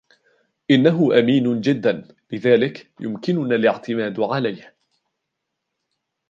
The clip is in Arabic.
إنهُ أمين جداً, لذلك يمكننا الإعتماد عليه.